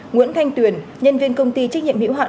nguyễn thanh tuyền nhân viên công ty trách nhiệm hữu hạn